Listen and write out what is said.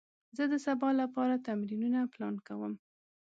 زه د سبا لپاره تمرینونه پلان کوم.